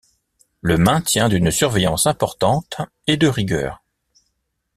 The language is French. Le maintien d'une surveillance importante est de rigueur.